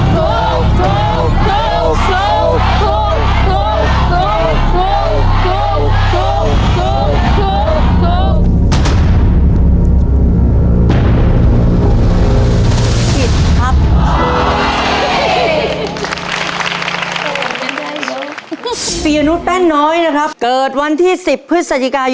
ถูกถูกถูกถูกถูกถูกถูกถูก